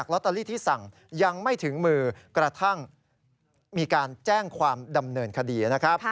ลอตเตอรี่ที่สั่งยังไม่ถึงมือกระทั่งมีการแจ้งความดำเนินคดีนะครับ